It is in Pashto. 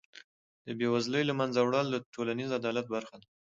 د بېوزلۍ له منځه وړل د ټولنیز عدالت برخه ده.